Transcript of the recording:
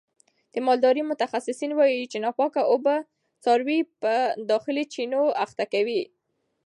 د مالدارۍ متخصصین وایي چې ناپاکه اوبه څاروي په داخلي چنجیو اخته کوي.